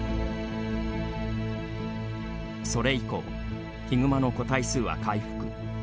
それ以降、ヒグマの個体数は回復。